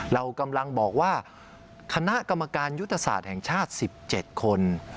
เรากำลังบอกว่าคณะกรรมการยุทธศาสตร์แห่งชาติ๑๗คน